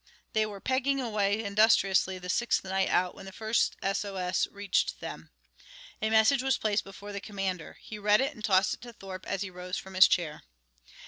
They were pegging away industriously the sixth night out when the first S.O.S. reached them. A message was placed before the commander. He read it and tossed it to Thorpe as he rose from his chair.